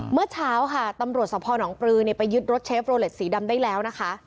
เมื่อเช้าค่ะตำรวจสภหนองปลือไปยึดรถเชฟโรเล็ตสีดำได้แล้วนะคะ